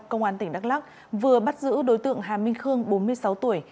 công an tỉnh đắk lắc vừa bắt giữ đối tượng hà minh khương bốn mươi sáu tuổi